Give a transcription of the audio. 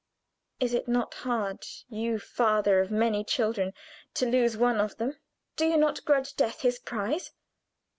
Is it not hard, you father of many children, to lose one of them? Do you not grudge Death his prize?